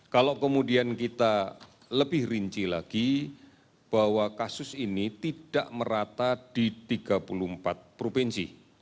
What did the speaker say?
kalau kemudian kita lebih rinci lagi bahwa kasus ini tidak merata di tiga puluh empat provinsi